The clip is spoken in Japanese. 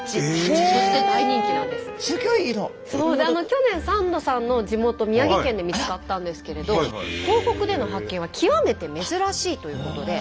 去年サンドさんの地元宮城県で見つかったんですけれど東北での発見は極めて珍しいということで。